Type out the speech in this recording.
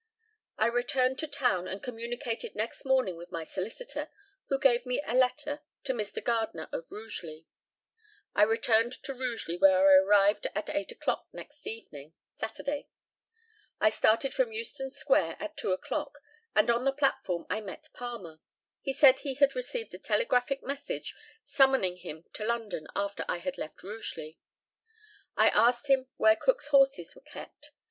I returned to town and communicated next morning with my solicitor, who gave me a letter to Mr. Gardner of Rugeley. I returned to Rugeley, where I arrived at eight o'clock next evening (Saturday). I started from Euston square at two o'clock, and on the platform I met Palmer. He said he had received a telegraphic message summoning him to London after I had left Rugeley. I asked him where Cook's horses were kept.